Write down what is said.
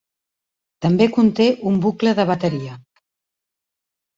També conté un bucle de bateria.